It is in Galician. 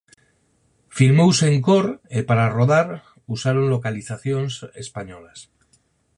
Filmouse en cor e para rodar usaron localizacións españolas.